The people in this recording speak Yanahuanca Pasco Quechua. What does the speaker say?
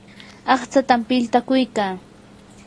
aqtsatam piltakuykaa.